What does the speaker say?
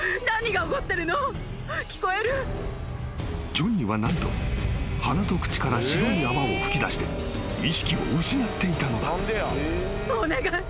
［ジョニーは何と鼻と口から白い泡を吹き出して意識を失っていたのだ］